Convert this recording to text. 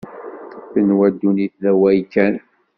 Tenwa ddunit d awal kan.